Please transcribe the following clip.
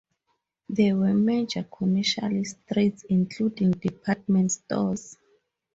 There were major commercial streets including department stores.